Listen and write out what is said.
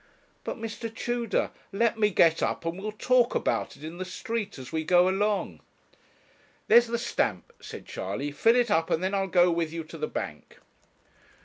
'But, Mr. Tudor, let me get up, and we'll talk about it in the street, as we go along.' 'There's the stamp,' said Charley. 'Fill it up, and then I'll go with you to the bank.'